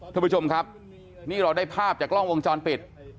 ท่านผู้ชมครับนี่เราได้ภาพจากกล้องวงจรปิด